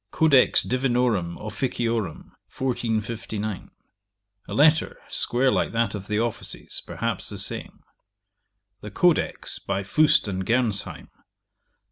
Codex Divinorum Officiorum, 1459: a letter, square like that of the Offices, perhaps the same. The Codex, by Fust and Gernsheym.